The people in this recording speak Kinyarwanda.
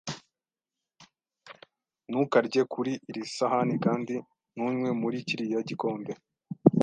Ntukarye kuri iri sahani kandi ntunywe muri kiriya gikombe.